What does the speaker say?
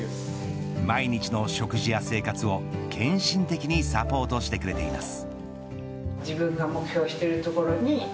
毎日の食事や生活を、献身的にサポートしてくれています。